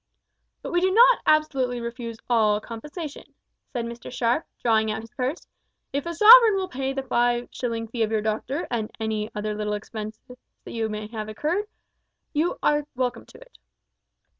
"But we do not absolutely refuse all compensation," said Mr Sharp, drawing out his purse; "if a sovereign will pay the five shilling fee of your doctor, and any other little expenses that you may have incurred, you are welcome to it."